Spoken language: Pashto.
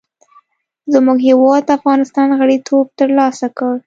زموږ هېواد افغانستان غړیتوب تر لاسه کړ.